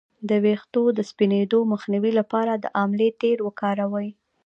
د ویښتو د سپینیدو مخنیوي لپاره د املې تېل وکاروئ